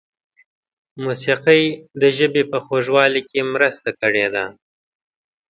موسیقۍ د ژبې په خوږوالي کې مرسته کړې ده.